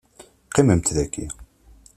Qqimemt dagi.